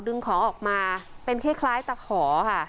ดึงขอออกมาเป็นเครฆคล้ายตะขอค่ะ